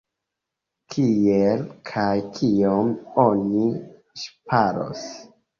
Kiel kaj kiom oni ŝparos?